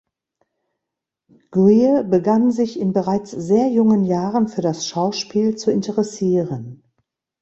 Greer begann sich in bereits sehr jungen Jahren für das Schauspiel zu interessieren.